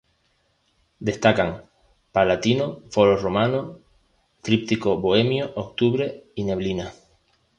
Destacan "Palatino", "Foro Romano", "Tríptico bohemio", "Octubre" y "Neblina".